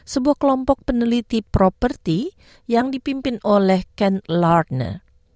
sebuah kelompok peneliti properti yang dipimpin oleh ken lardner